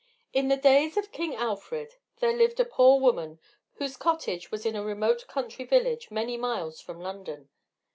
In the days of King Alfred, there lived a poor woman, whose cottage was in a remote country village, many miles from London.